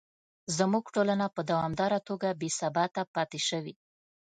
زموږ ټولنه په دوامداره توګه بې ثباته پاتې شوې.